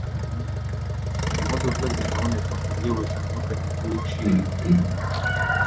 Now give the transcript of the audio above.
Imodoka ziraboneka muburyo butandukanye bwibiciro.